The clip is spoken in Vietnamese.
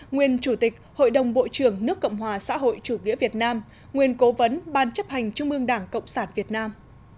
nguyên chủ tịch hội đồng bộ trưởng nước cộng hòa xã hội chủ nghĩa việt nam nguyên cố vấn ban chấp hành trung ương đảng cộng sản việt nam